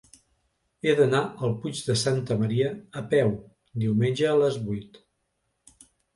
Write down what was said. He d'anar al Puig de Santa Maria a peu diumenge a les vuit.